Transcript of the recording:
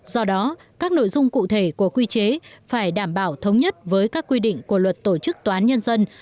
do đó các nội dung cụ thể của quy chế phải đảm bảo thống nhất với các quy định của luật tổ chức tòa án nhân dân